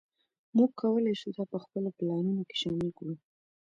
موږ کولی شو دا په خپلو پلانونو کې شامل کړو